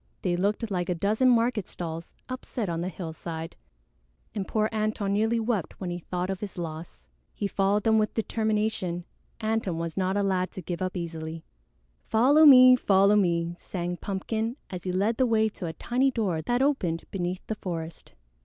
They looked like a dozen market stalls upset on the hillside, and poor Antone nearly wept when he thought of his loss. He followed them with determination. Antone was not a lad to give up easily. "Follow me! Follow me!" sang Pumpkin, as he led the way to a tiny door that opened beneath the forest.